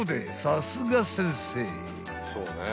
さすが先生］